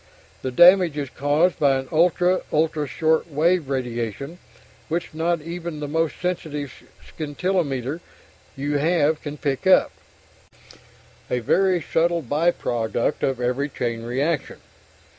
The damage is caused by an ultra ultra short wave radiation which not even the most sensitive scintillometer you have can pick up, a very subtle by product of every chain reaction.